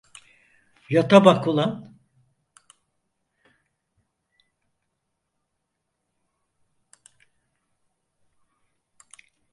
Yata bak ulan!